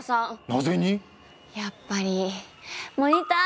なぜに⁉やっぱりモニター